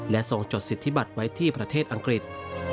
ทรงจดสิทธิบัตรไว้ที่ประเทศอังกฤษ